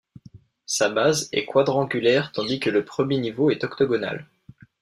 Sa base est quadrangulaire tandis que le premier niveau est octogonal.